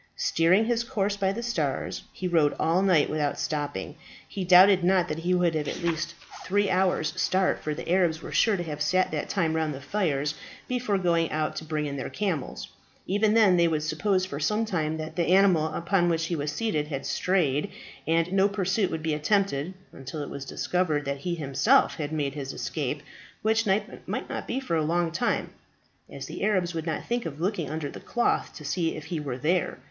Steering his course by the stars, he rode all night without stopping. He doubted not that he would have at least three hours' start, for the Arabs were sure to have sat that time round the fires before going out to bring in their camels. Even then they would suppose for some time that the animal upon which he was seated had strayed, and no pursuit would be attempted until it was discovered that he himself had made his escape, which might not be for a long time, as the Arabs would not think of looking under the cloth to see if he were there.